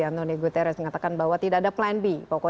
antoni guterres mengatakan bahwa tidak ada pelanggaran hak asasi manusia